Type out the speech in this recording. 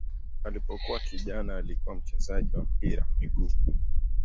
Alipokuwa kijana alikuwa mchezaji wa mpira wa miguu.